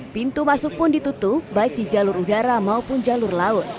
pintu masuk pun ditutup baik di jalur udara maupun jalur laut